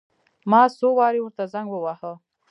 ما څو وارې ورته زنګ وواهه.